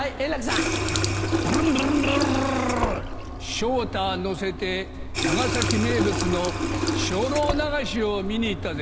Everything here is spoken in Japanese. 昇太乗せて長崎名物の精霊流しを見に行ったぜ。